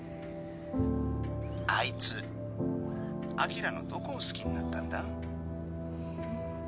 あいつアキラのどこを好きになったんだ？